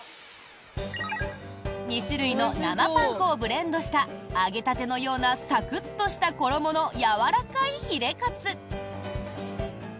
２種類の生パン粉をブレンドした揚げたてのようなサクッとした衣のやわらかいヒレかつ。